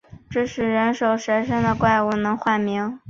这是人首蛇身的怪物，能唤人名